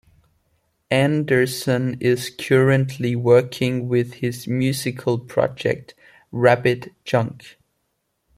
Anderson is currently working with his musical project Rabbit Junk.